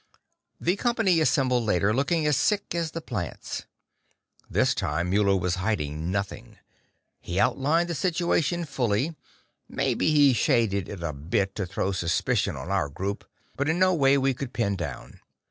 The company assembled later looked as sick as the plants. This time, Muller was hiding nothing. He outlined the situation fully; maybe he shaded it a bit to throw suspicion on our group, but in no way we could pin down.